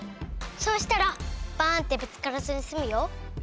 そうしたらバーンッてぶつからずにすむよ。